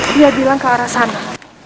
dia bilang ke arah sana